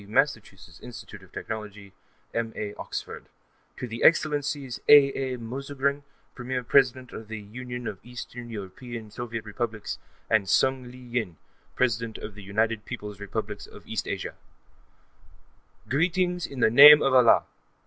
(Massachusetts Institute of Technology); M.A. (Oxford): to their Excellencies A.A. Mouzorgin, Premier President of the Union of East European Soviet Republics, and Sung Li Yin, President of the United Peoples' Republics of East Asia, Greetings, in the name of Allah!